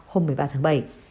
hôm một mươi ba tháng bảy